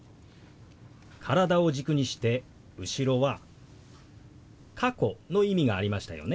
体を軸にして後ろは「過去」の意味がありましたよね。